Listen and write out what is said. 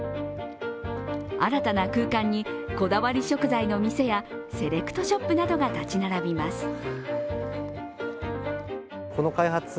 新たな空間にこだわり食材の店やセレクトショップなどが建ち並びます。